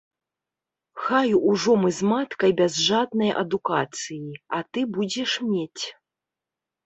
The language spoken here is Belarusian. Хай ужо мы з маткай без жаднай адукацыі, а ты будзеш мець.